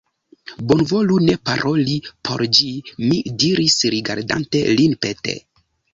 Bonvolu ne paroli pri ĝi, mi diris, rigardante lin pete.